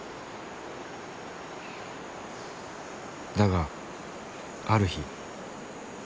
だがある日。